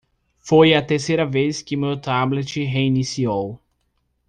Foi a terceira vez que meu tablet reiniciou.